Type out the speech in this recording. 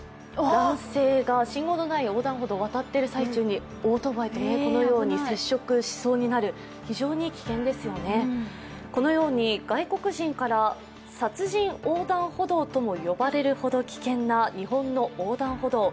男性が信号のない横断歩道を渡っている最中にオートバイとこのように接触しそうになる、非常に危険ですよね、このように外国人から殺人横断歩道とも呼ばれるほど危険な日本の横断歩道。